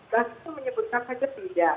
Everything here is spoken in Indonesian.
lalu menyebutkan saja tidak